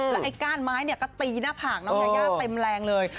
ไอ้ก้านไม้ก็ตีหน้าผากน้องยายาเต็มแรงเลย